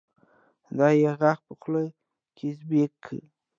دا يې غاښ په خوله کې زېب کا